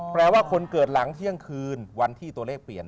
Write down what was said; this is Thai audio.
แปลว่าคนเกิดหลังเที่ยงคืนวันที่ตัวเลขเปลี่ยน